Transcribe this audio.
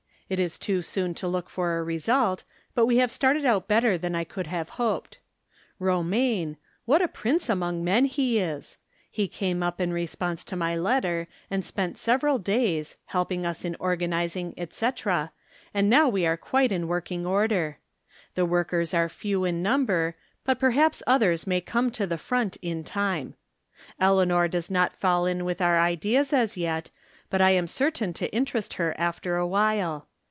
It is too soon to look for result, but we have started out better than I could have hoped. Romaine — what a prince among men he is !' He came up in response to *my letter and spent several days, helping us in organizing, etc., and now we are quite in working order. The work ers are few in number, but perhaps others may come to the front in time. Eleanor does not fall in with our ideas as yet, but I am certain to in terest her after a while.